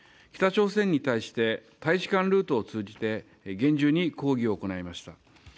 北朝鮮に対して大使館ルートを通じて、厳重に抗議を行いました。